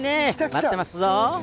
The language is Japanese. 待ってますぞ！